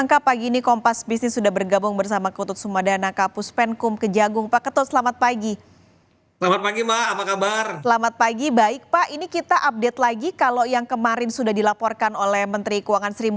kami juga mendorong inspektorat untuk terus melakukan pembersihan di dalam tubuh lpei dan neraca lpei